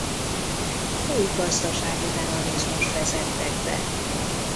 Új gazdasági mechanizmust vezettek be.